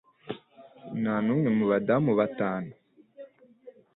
Nta n'umwe mu badamu batanu.